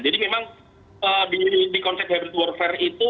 jadi memang di konsep hybrid warfare itu